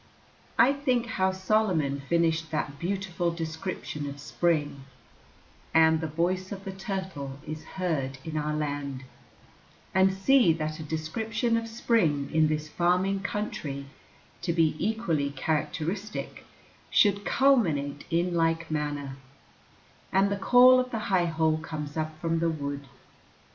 I think how Solomon finished that beautiful description of spring, "and the voice of the turtle is heard in our land," and see that a description of spring in this farming country, to be equally characteristic, should culminate in like manner, "and the call of the high hole comes up from the wood."